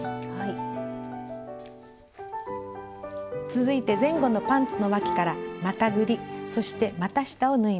続いて前後のパンツのわきからまたぐりそしてまた下を縫います。